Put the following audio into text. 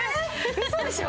ウソでしょ！？